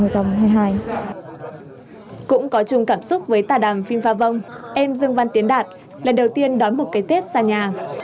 cũng có chung cảm xúc với tà đàm phim phà vông em dương văn tiến đạt lần đầu tiên đón một cái tết xa nhà